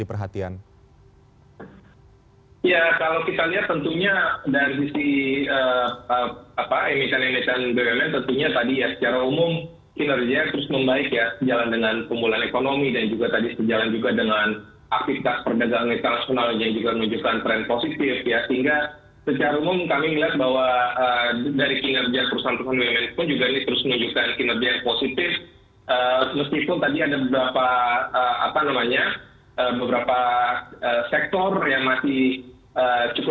sentimen globalnya ini masih